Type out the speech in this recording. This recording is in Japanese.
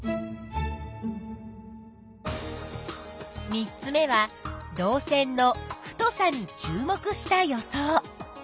３つ目は導線の「太さ」に注目した予想。